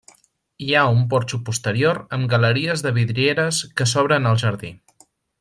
Hi ha un porxo posterior amb galeries de vidrieres que s'obren al jardí.